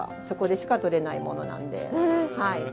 そこでしか採れないものなんで。